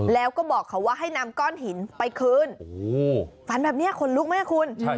แล้วก็บอกเขาว่าให้นำก้อนหินไปคืนฝันแบบนี้ขนลุกไหมคุณ